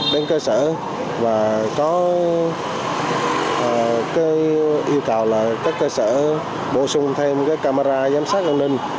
đến cơ sở và có yêu cầu là các cơ sở bổ sung thêm camera giám sát an ninh